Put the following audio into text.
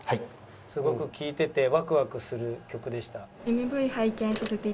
「すごく聴いててワクワクする曲でした」。